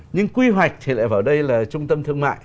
nhưng quy hoạch thì lại vào đây là trung tâm thương mại